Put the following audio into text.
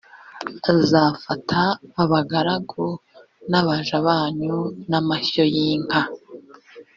azafata abagaragu n abaja banyu n amashyo y inka